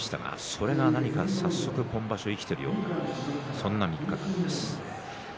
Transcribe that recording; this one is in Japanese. それが何か早速今場所生きているようなそんな３日間です。